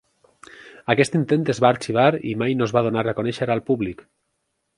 Aquest intent es va arxivar i mai no es va donar a conèixer al públic.